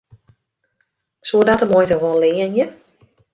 Soe dat de muoite wol leanje?